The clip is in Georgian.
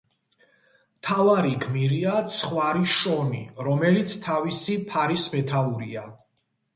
მთავარი გმირია ცხვარი შონი, რომელიც თავისი ფარის მეთაურია.